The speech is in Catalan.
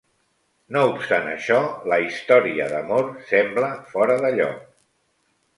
No obstant això, la història d'amor sembla fora de lloc.